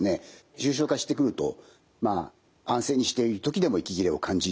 重症化してくると安静にしている時でも息切れを感じるようになります。